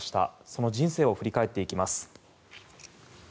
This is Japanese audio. その人生を振り返っていきます。